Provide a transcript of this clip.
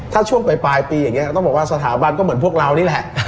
ถ้าช่วงปลายปีอย่างนี้ต้องบอกว่าสถาบันก็เหมือนพวกเรานี่แหละ